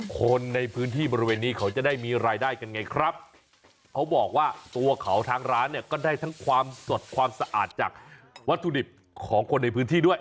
คนในพื้นที่บริเวณนี้เขาจะได้มีรายได้กันไงครับเขาบอกว่าตัวเขาทางร้านเนี่ยก็ได้ทั้งความสดความสะอาดจากวัตถุดิบของคนในพื้นที่ด้วย